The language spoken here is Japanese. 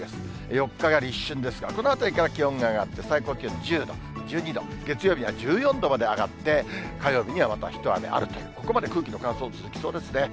４日が立春ですが、このあたりから気温が上がって、最高気温１０度、１２度、月曜日には１４度まで上がって、火曜日にはまた一雨あるという、ここまで空気の乾燥、続きそうですね。